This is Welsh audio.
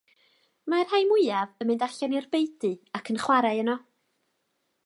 Mae'r rhai mwyaf yn mynd allan i'r beudy ac yn chwarae yno.